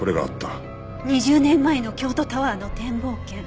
２０年前の京都タワーの展望券。